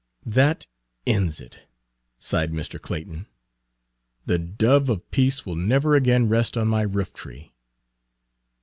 "That ends it," sighed Mr. Clayton. "The dove of peace will never again rest on my roof tree."